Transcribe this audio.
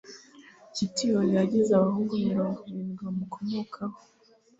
gideyoni yagize abahungu mirongo irindwi bamukomokaho